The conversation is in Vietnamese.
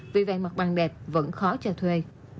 vì vậy mặt bằng đẹp vẫn khó chờ thuê